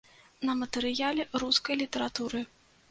На матэрыяле рускай літаратуры.